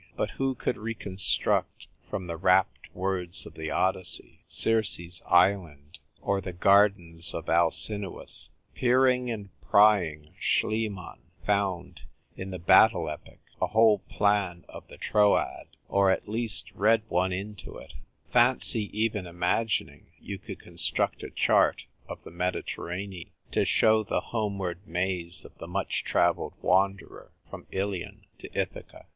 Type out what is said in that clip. But who could reconstruct, from the rapt words of the Odyssey, Circe's island or the gardens of Alcinous ? Peering and prying Schliemann found in the battle epic a whole plan of the Troad ; or, at least, read one into it : fancy even imagining you could construct a chart of the Mediterranean INTRODUCES A LATTER DAY HEROINE. 1 3 to show the homeward maze of the much travelled wanderer from Ilion to Ithaca